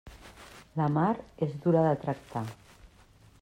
La mar és dura de tractar.